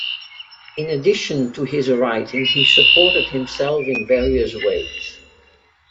In addition to his writing, he supported himself in various ways.